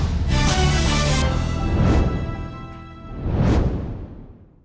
ชอบเรียนวิชาอะไรมากที่สุดล่ะ